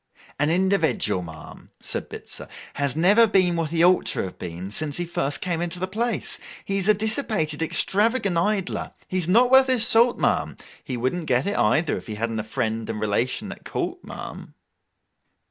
'An individual, ma'am,' said Bitzer, 'has never been what he ought to have been, since he first came into the place. He is a dissipated, extravagant idler. He is not worth his salt, ma'am. He wouldn't get it either, if he hadn't a friend and relation at court, ma'am!